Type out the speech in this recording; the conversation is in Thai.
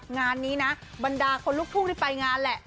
งานนี้นะบรรดาคนลูกทุ่งที่ไปงานแหละ